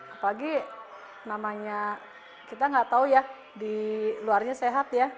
apalagi namanya kita nggak tahu ya di luarnya sehat ya